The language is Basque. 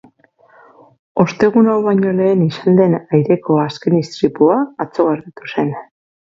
Ostegun hau baino lehen izan den aireko azken istripua atzo gertatu zen.